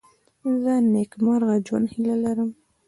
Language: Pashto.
زه د نېکمرغه ژوند هیله لرم.